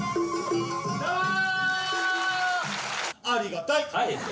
ありがたい！